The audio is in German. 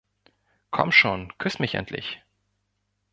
Komm schon, küss mich endlich!